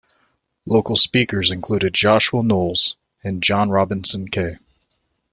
Local speakers included Joshua Knowles and John Robinson Kay.